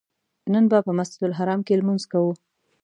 نن به په مسجدالحرام کې لمونځ کوو.